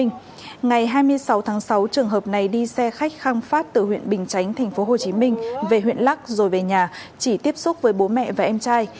ngày hai mươi sáu tháng sáu trường hợp này đi xe khách khang phát từ huyện bình chánh tp hcm về huyện lắc rồi về nhà chỉ tiếp xúc với bố mẹ và em trai